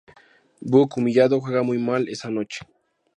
Buck, humillado, juega muy mal esa noche.